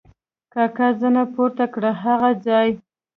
کاکا زنه پورته کړه: هغه ځای!